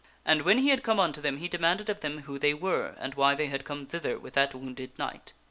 And when he had come unto them he demanded of them who they were and why they had come thither with that wounded knight.